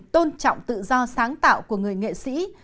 trọng tự do sáng tạo của người nghệ sĩ